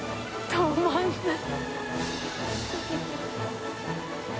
止まらない。